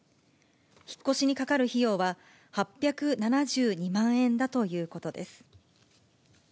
引っ越しにかかる費用は８７２万円だということです。